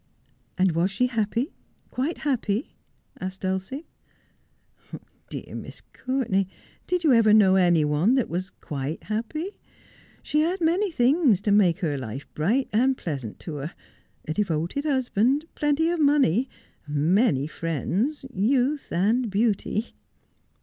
' And was she happy, quite happy 1 ' asked Dulcie. 'Dear Miss Courtenay, did you ever know any one that was quite happy ? She had many things to make her life bright and pleasant to her, a devoted husband, plenty of money, many friends, youth and beauty.'